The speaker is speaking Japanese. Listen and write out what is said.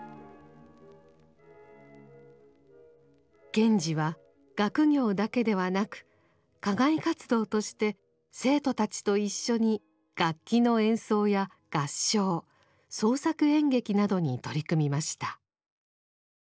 賢治は学業だけではなく課外活動として生徒たちと一緒に楽器の演奏や合唱創作演劇などに取り組みました。